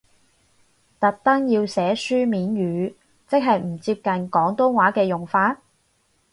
特登要寫書面語，即係唔接近廣東話嘅用法？